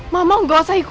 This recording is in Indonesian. mama gak usah ikut aku